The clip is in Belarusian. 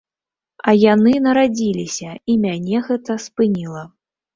А яны нарадзіліся, і мяне гэта спыніла.